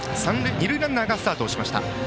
二塁ランナーがスタートしていました。